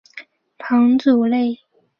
庞祖勒。